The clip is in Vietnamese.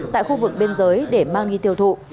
tại khu vực bên giới để mang ghi tiêu thụ